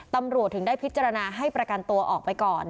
ตำรวจถึงได้พิจารณาให้ประกันตัวออกไปก่อน